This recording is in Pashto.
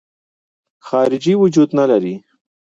خارجي وجود نه لري.